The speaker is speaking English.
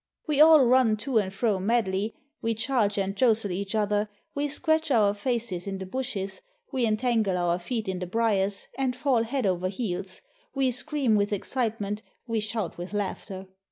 We all run to and fro madly, we charge and jostle each other, we scratch our faces in the bushes, we entangle our feet in the briers, and fall head over heels, we scream with excitement, we shout with laughter.